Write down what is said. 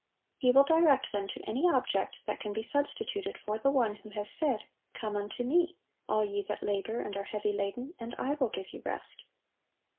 He will direct them to any object that can be substituted for the One who has said, "Come unto Me, all ye that labor and are heavy laden, and I will give you rest."